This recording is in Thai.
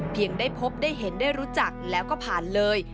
ยังได้พบได้เห็นได้รู้จักแล้วก็ผ่านเลย